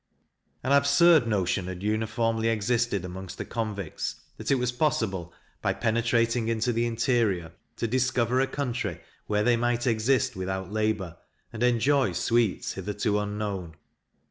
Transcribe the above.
An absurd notion had uniformly existed amongst the convicts that it was possible, by penetrating into the interior, to discover a country, where they might exist without labour, and enjoy sweets hitherto unknown.